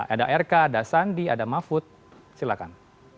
ada rk ada sandi ada mafud silahkan